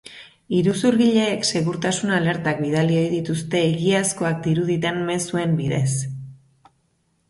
Iruzurgileek segurtasun alertak bidali ohi dituzte egiazkoak diruditen mezuen bidez.